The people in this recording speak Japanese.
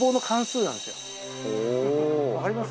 わかります？